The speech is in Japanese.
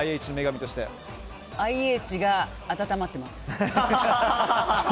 ＩＨが温まってます。